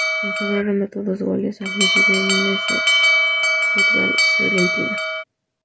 En febrero anotó dos goles al Udinese y otro al Fiorentina.